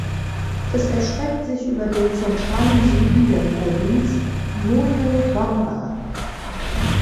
Es erstreckt sich über den zentralen Süden der Provinz Moyobamba.